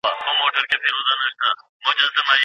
رسول اکرم صلی الله عليه وسلم ته د هغه ميرمن راغله.